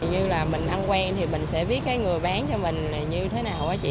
như là mình ăn quen thì mình sẽ biết cái người bán cho mình này như thế nào quá chị